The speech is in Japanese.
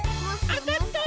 あたった！